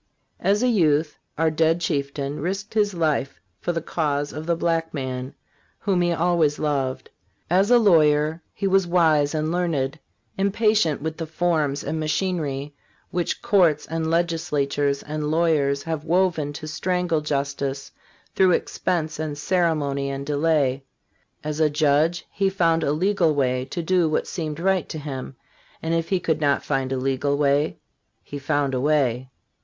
As a youth our dead chieftain risked his life for the cause of the black man, whom he always loved. As a lawyer he was wise and learned, impatient with the forms and machinery which courts and legislatures and lawyers have woven to strangle justice through expense and cere mony and delay; as a judge he found a legal way to do what seemed right to him, and if he could not find a legal way, he found a way.